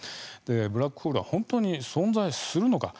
ブラックホールは本当に存在するのか